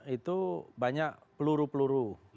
itu banyak peluru peluru